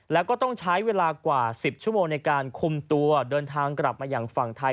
แล้วก็ต้องใช้เวลากว่า๑๐ชั่วโมงในการคุมตัวเดินทางกลับมาอย่างฝั่งไทย